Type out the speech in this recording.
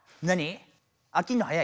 何？